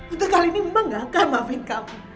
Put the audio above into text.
untuk kali ini memang gak akan maafin kamu